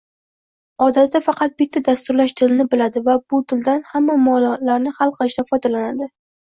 Odatda faqat bitta dasturlash tilini biladi va bu tildan hamma muammolarni hal qilishda foydalanadi